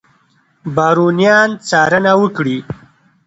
بارونیان څارنه وکړي.